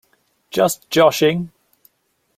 Just joshing!